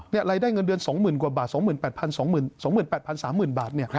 รายได้เงินเดือน๒๐๐๐กว่าบาท๒๘๒๘๓๐๐๐บาท